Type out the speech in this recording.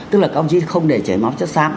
tức là các đồng chí không để chảy móc chất xác